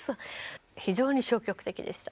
非常に消極的でした。